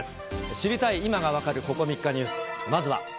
知りたい今が分かるここ３日ニュース、まずは。